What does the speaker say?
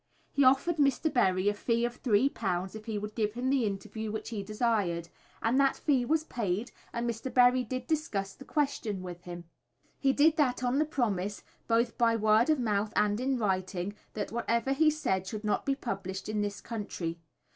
He offered Mr. Berry a fee of £3 if he would give him the interview which he desired; and that fee was paid, and Mr. Berry did discuss the question with him. He did that on the promise, both by word of mouth and in writing, that whatever he said should not be published in this country.